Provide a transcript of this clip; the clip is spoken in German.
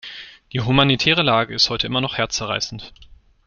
Die humanitäre Lage ist heute immer noch herzzerreißend.